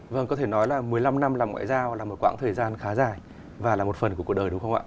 vâng có thể nói là một mươi năm năm làm ngoại giao là một quãng thời gian khá dài và là một phần của cuộc đời đúng không ạ